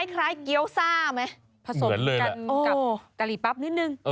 คล้ายเกี้ยวซ่าไหมผสมกันกับกะหรี่ปั๊บนิดนึง